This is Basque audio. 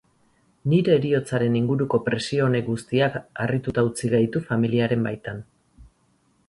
Nire heriotzaren inguruko presio honek guztiak harrituta utzi gaitu familiaren baitan.